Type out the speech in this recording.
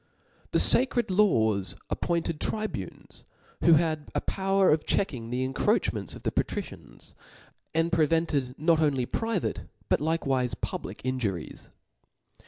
The facred laws appointed tribunes, whoh^d a power of checking the incroachments of the pa tricians, and pr^vepted qot only private, but Iike« wife public injuries.